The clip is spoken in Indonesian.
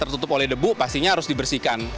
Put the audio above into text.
tertutup oleh debu pastinya harus dibersihkan